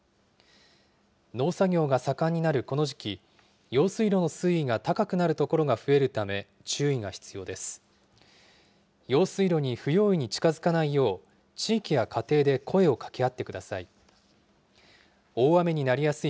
農作業が盛んになるこの時期、用水路の水位が高くなる所が増えるため、注意が必要です。